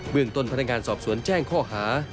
เมืองต้นพนักงานสอบสวนแจ้งข้อหา